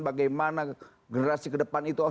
bagaimana generasi kedepan itu